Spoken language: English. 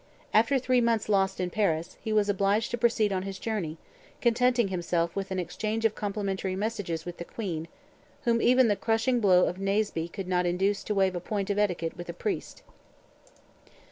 After three months lost in Paris, he was obliged to proceed on his journey, contenting himself with an exchange of complimentary messages with the Queen, whom even the crushing blow of Naseby could not induce to waive a point of etiquette with a Priest.